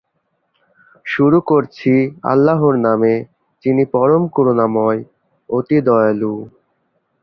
শুরু করছি আল্লাহর নামে যিনি পরম করুণাময়, অতি দয়ালু।